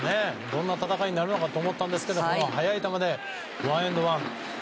どんな戦いになるのかと思ったんですけど速い球でワンエンドワン。